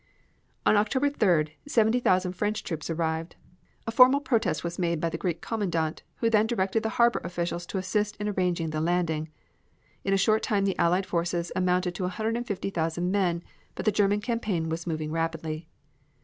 On October 3d, seventy thousand French troops arrived. A formal protest was made by the Greek commandant, who then directed the harbor officials to assist in arranging the landing. In a short time the Allied forces amounted to a hundred and fifty thousand men, but the German campaign was moving rapidly.